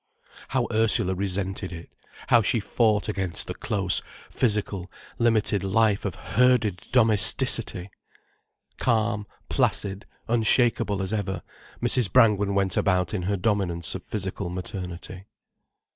How Ursula resented it, how she fought against the close, physical, limited life of herded domesticity! Calm, placid, unshakeable as ever, Mrs. Brangwen went about in her dominance of physical maternity.